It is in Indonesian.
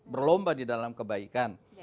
berlomba di dalam kebaikan